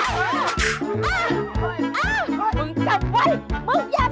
จับไว้มึงอย่าทำโกะตัว